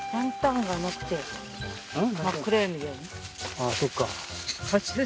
あっそっか。